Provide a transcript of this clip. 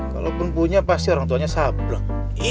kalaupun punya pasti orang tuanya sabrang